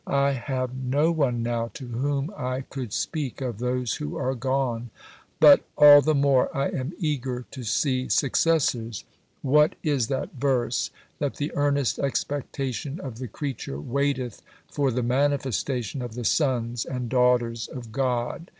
I have no one now to whom I could speak of those who are gone. But all the more I am eager to see successors. What is that verse that the earnest expectation of the creature waiteth for the manifestation of the sons (and daughters) of God.